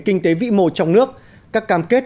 kinh tế vĩ mô trong nước các cam kết